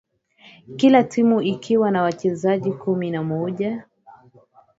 kila timu ikiwa na wachezaji kumi na mmoja